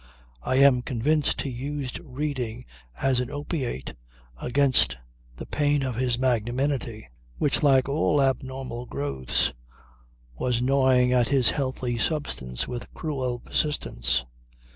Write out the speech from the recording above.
I am convinced he used reading as an opiate against the pain of his magnanimity which like all abnormal growths was gnawing at his healthy substance with cruel persistence.